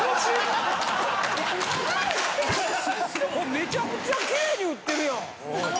めちゃくちゃキレイに打ってるやん。